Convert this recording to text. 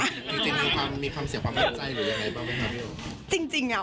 มีคำเสียความมั่นใจหรือยังไงบ้าง